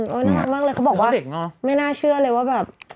โอ้น่ะขอบอกว่าไม่น่าเชื่อเลยว่าแบบ